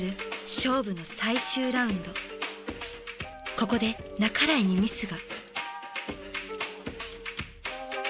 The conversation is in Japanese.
ここで半井にミスが。